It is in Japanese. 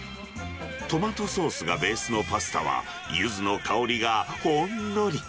トマトソースがベースのパスタは、ゆずの香りがほんのり。